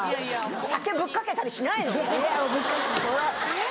酒ぶっかけたりしないの？なぁ！